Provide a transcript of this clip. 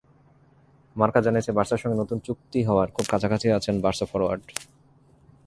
মার্কা জানিয়েছে, বার্সার সঙ্গে নতুন চুক্তি হওয়ার খুব কাছাকাছি আছেন বার্সা ফরোয়ার্ড।